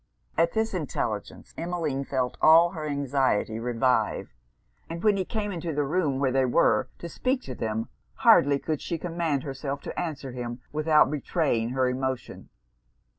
At this intelligence Emmeline felt all her anxiety revive; and when he came into the room where they were to speak to them, hardly could she command herself to answer him without betraying her emotion.